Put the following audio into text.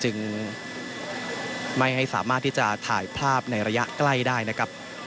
จึงไม่ให้สามารถที่จะถ่ายภาพในระยะใกล้ได้นะครับ